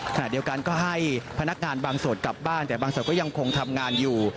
ขณะเดียวกันก็ให้พนักงานบางส่วนกลับบ้านแต่บางส่วนก็ยังคงทำงานอยู่